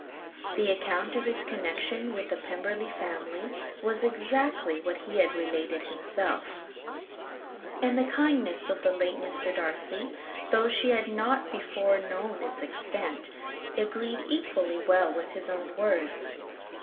The account of his connection with the Pemberley family was exactly what he had related himself; and the kindness of the late Mr. Darcy, though she had not before known its extent, agreed equally well with his own words.